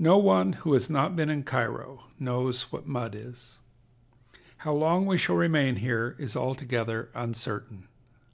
No one who has not been in Cairo knows what mud is. How long we shall remain here is altogether uncertain."